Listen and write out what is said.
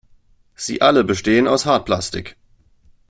Sie alle bestehen aus Hartplastik.